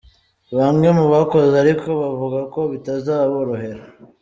Bamwe mubakozi ariko bavuga ko bitazaborohera.